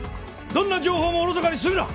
どんな情報もおろそかにするな！